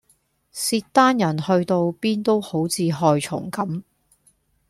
契丹人去到邊都好似害蟲咁